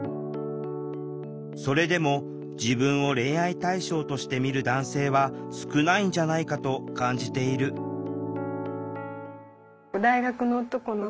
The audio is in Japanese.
それでも自分を恋愛対象として見る男性は少ないんじゃないかと感じている分かります？